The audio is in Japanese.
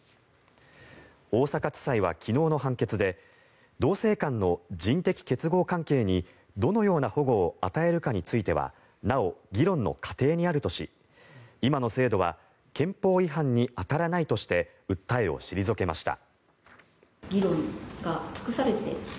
大阪地裁は昨日の判決で同性間の人的結合関係にどのような保護を与えるかについてはなお議論の過程にあるとし今の制度は憲法違反に当たらないとして訴えを退けました。